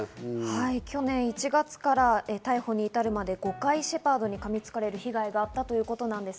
去年１月から逮捕に至るまで５回、シェパードに噛みつかれる被害があったということです。